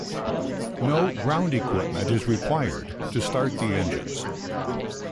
No ground equipment is required to start the engines.